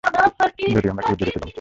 যদিও আমরা কিউট জোড়ি ছিলাম।